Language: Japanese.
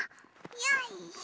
よいしょ。